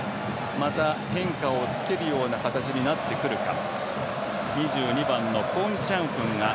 また変化をつけるような形になってくるか。